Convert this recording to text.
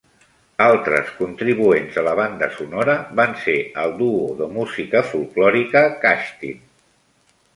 Altres contribuents a la banda sonora van ser el duo de música folklòrica Kashtin.